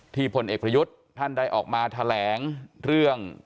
พลเอกประยุทธ์ท่านได้ออกมาแถลงเรื่อง